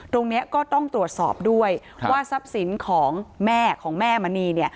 ตรงนี้ก็ต้องตรวจสอบด้วยว่าทรัพย์สินของแม่ของแม่มณี